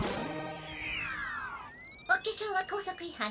お化粧は校則違反。